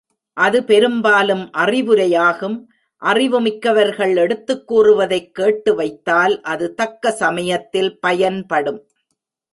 அது பெரும்பாலும் அறிவுரையாகும் அறிவு மிக்கவர்கள் எடுத்துக் கூறுவதைக் கேட்டுவைத்தால் அது தக்க சமயத்தில் பயன்படும்.